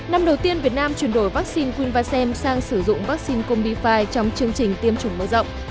năm đầu tiên việt nam chuyển đổi vắc xin quinvaxem sang sử dụng vắc xin combify trong chương trình tiêm chủng mở rộng